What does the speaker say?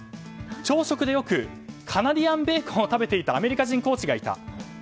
朝食で、よくカナディアンベーコンを食べていたアメリカ人コーチがいた。